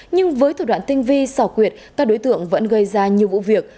nhưng với thủ đoạn tinh vi xảo quyệt các đối tượng vẫn gây ra nhiều vụ việc